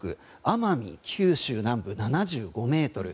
奄美、九州南部７５メートル